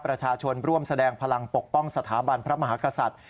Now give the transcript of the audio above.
ประชาชนร่วมแสดงพลังปกป้องสถาบันพระมหากษัตริย์